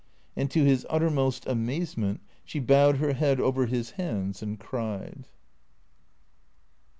And to his uttermost amazement she bowed her head over his hands and cried.